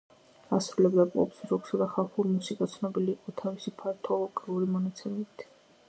ასრულებდა პოპს, როკსა და ხალხურ მუსიკას; ცნობილი იყო თავისი ფართო ვოკალური მონაცემებით.